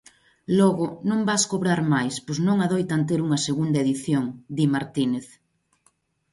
Logo "non vas cobrar máis, pois non adoitan ter unha segunda edición", di Martínez.